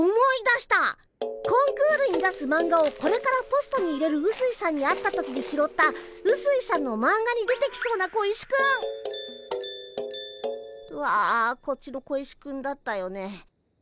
コンクールに出すマンガをこれからポストに入れるうすいさんに会った時に拾ったうすいさんのマンガに出てきそうな小石くん！はこっちの小石くんだったよね。